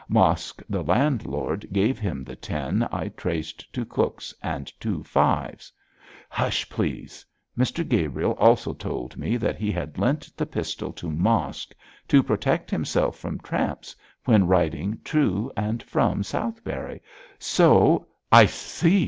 Mosk, the landlord, gave him the ten I traced to Cook's and two fives. Hush, please! Mr Gabriel also told me that he had lent the pistol to Mosk to protect himself from tramps when riding to and from Southberry, so ' 'I see!